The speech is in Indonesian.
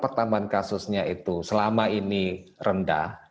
pertambahan kasusnya itu selama ini rendah